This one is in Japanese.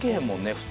普通。